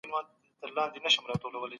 ایا مسلکي کسان د هېواد په ابادۍ کي ونډه لري؟